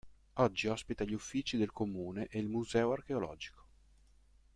Oggi ospita gli uffici del Comune e il Museo Archeologico.